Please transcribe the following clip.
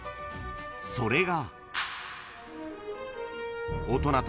［それが］